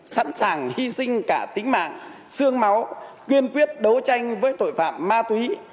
sẵn sàng hy sinh cả tính mạng xương máu quyên quyết đấu tranh với tội phạm ma túy